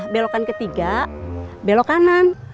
belokan ketiga belok kanan